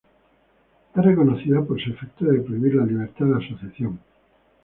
Es reconocida por su efecto de prohibir la libertad de asociación.